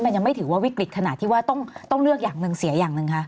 มันยังไม่ถือว่าวิกฤตขนาดที่ว่าต้องเลือกอย่างหนึ่งเสียอย่างหนึ่งคะ